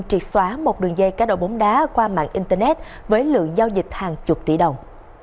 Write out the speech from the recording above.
triệt xóa một đường dây cá độ bóng đá qua mạng internet với lượng giao dịch hàng chục tỷ đồng